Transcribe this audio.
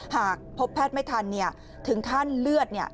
หากพบแพทย์ไม่ทันถึงขั้นเลือด